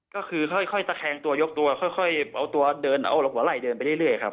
ก็คือค่อยตะแคงตัวยกตัวค่อยเอาตัวเดินเอาหัวไหล่เดินไปเรื่อยครับ